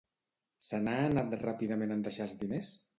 Se n'ha anat ràpidament en deixar els diners?